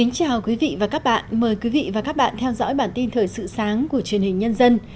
chào mừng quý vị đến với bản tin thời sự sáng của truyền hình nhân dân